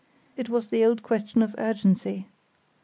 It was the old question of urgency.